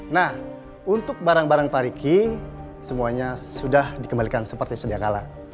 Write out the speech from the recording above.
nah untuk barang barang pariki semuanya sudah dikembalikan seperti sedia kala